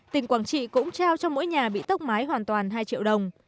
tỉnh quảng trị cũng trao cho mỗi nhà bị tốc mái hoàn toàn hai triệu đồng